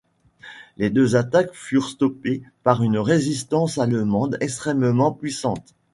Les deux attaques furent stoppées par une résistance allemande extrêmement puissante.